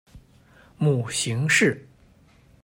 母邢氏。